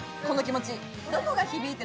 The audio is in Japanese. この気持ち。